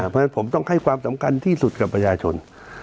เพราะฉะนั้นผมต้องให้ความสำคัญที่สุดกับประชาชน